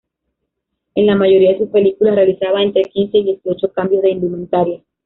En la mayoría de sus películas realizaba entre quince y dieciocho cambios de indumentaria.